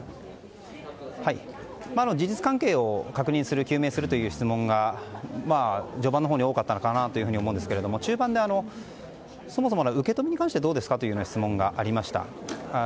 事実関係を確認する究明するという質問が序盤のほうに多かったのかなと思うんですが中盤にそもそも受け止めに関してはどうですかという質問がありました。